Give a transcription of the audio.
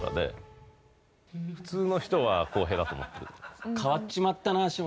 普通の人は公平だと思ってる。